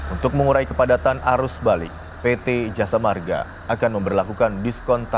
untuk mengurai kepadatan arus balik pt jasa marga akan mengurahi tiga karakter yang terpantau dalam kepadatan